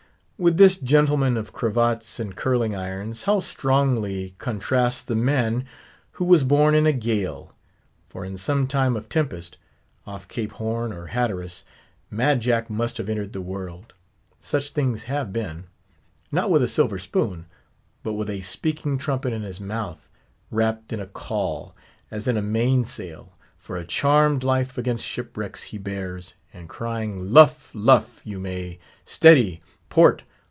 With this gentleman of cravats and curling irons, how strongly contrasts the man who was born in a gale! For in some time of tempest—off Cape Horn or Hatteras—Mad Jack must have entered the world—such things have been—not with a silver spoon, but with a speaking trumpet in his mouth; wrapped up in a caul, as in a main sail—for a charmed life against shipwrecks he bears—and crying, _Luff! luff, you may!—steady!—port!